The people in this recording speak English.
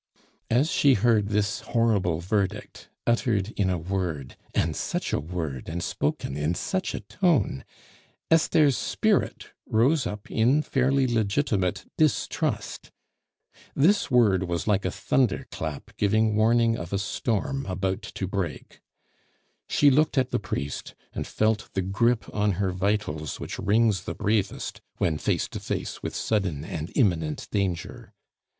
As she heard this horrible verdict, uttered in a word and such a word! and spoken in such a tone! Esther's spirit rose up in fairly legitimate distrust. This word was like a thunder clap giving warning of a storm about to break. She looked at the priest, and felt the grip on her vitals which wrings the bravest when face to face with sudden and imminent danger.